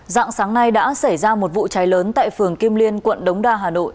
dạng sáng nay đã xảy ra một vụ cháy lớn tại phường kim liên quận đống đa hà nội